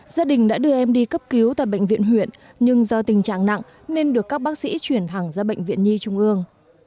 gia đình đã đưa em đi cấp cứu tại bệnh viện huyện nhưng do tình trạng nặng nên được các bác sĩ chuyển thẳng ra bệnh viện nhi trung ương